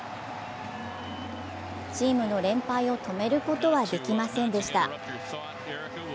チームの連敗を止めることはできませんでした。